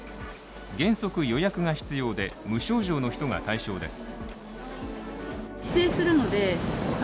原則予約が必要で無症状の人が対象です。